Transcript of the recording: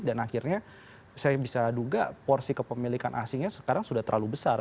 dan akhirnya saya bisa duga porsi kepemilikan asingnya sekarang sudah terlalu besar